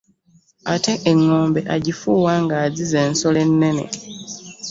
Ate eŋŋombe agifuuwa ng’azize ensolo ennene.